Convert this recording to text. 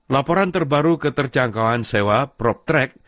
laporan terbaru keterjangkauan sewa proptrack